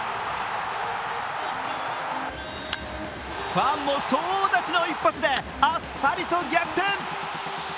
ファンも総立ちの一発であっさりと逆転。